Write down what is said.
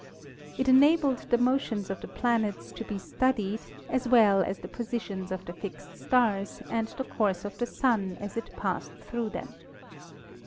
It enabled the motions of the planets to be studied as well as the positions of the fixed stars and the course of the Sun as it passed through them.